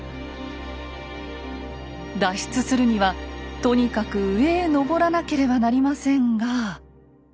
脱出するにはとにかく上へ登らなければなりませんが。